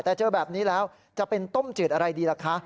แต่เจอแบบนี้แล้วจะเป็นต้มจืดอะไรดีล่ะคะ